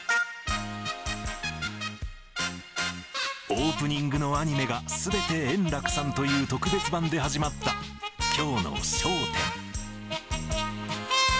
オープニングのアニメが、すべて円楽さんという特別版で始まったきょうの笑点。